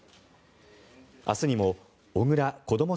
明日にも小倉こども